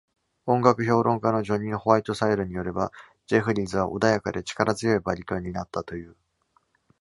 音楽評論家のジョニーホワイトサイドによれば、ジェフリーズは「穏やかで、力強いバリトン」になったという。